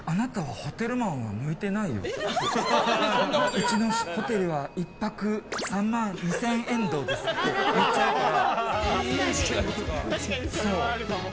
うちのホテルは１泊３万２０００遠藤ですって言っちゃうから。